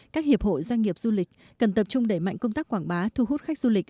các hiệp hội doanh nghiệp du lịch cần tập trung đẩy mạnh công tác quảng bá thu hút khách du lịch